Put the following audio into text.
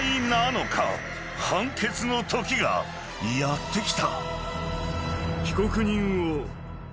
［判決のときがやってきた］